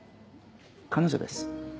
彼女です。